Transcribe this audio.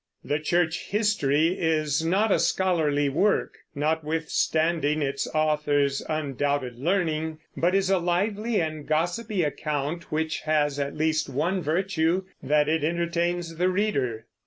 The Church History is not a scholarly work, notwithstanding its author's undoubted learning, but is a lively and gossipy account which has at least one virtue, that it entertains the reader.